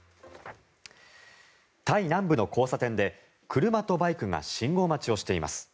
タイ南部の交差点で車とバイクが信号待ちをしています。